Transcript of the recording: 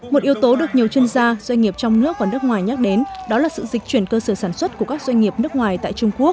một yếu tố được nhiều chuyên gia doanh nghiệp trong nước và nước ngoài nhắc đến đó là sự dịch chuyển cơ sở sản xuất của các doanh nghiệp nước ngoài tại trung quốc